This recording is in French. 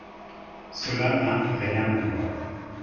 Cela n’a rien à voir